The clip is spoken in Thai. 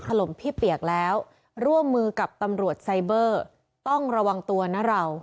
ลมพี่เปียกแล้วร่วมมือกับตำรวจไซเบอร์ต้องระวังตัวนะเรา